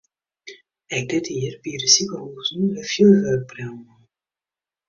Ek dit jier biede sikehuzen wer fjurwurkbrillen oan.